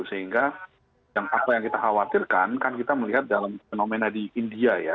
sehingga apa yang kita khawatirkan kan kita melihat dalam fenomena di india ya